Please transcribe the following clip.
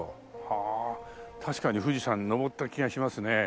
はあ確かに富士山に登った気がしますね。